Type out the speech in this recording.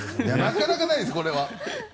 なかなかないですねこれは。